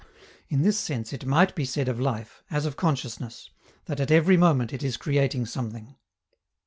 In this sense it might be said of life, as of consciousness, that at every moment it is creating something.